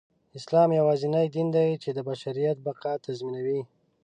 اسلام يواځينى دين دى، چې د بشریت بقاﺀ تضمينوي.